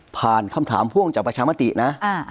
คำถามพ่วงจากประชามตินะ